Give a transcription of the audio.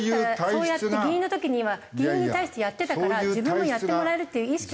そうやって議員の時には議員に対してやってたから自分もやってもらえるっていう意識が。